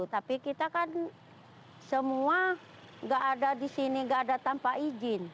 tapi kita kan semua nggak ada di sini nggak ada tanpa izin